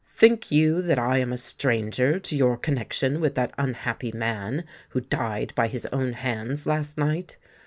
"Think you that I am a stranger to your connexion with that unhappy man who died by his own hands last night?